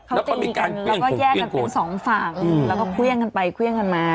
เขาจะมีการแล้วก็แยกกันเป็นสองฝั่งแล้วก็เครื่องกันไปเครื่องกันมา